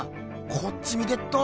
こっち見てっど。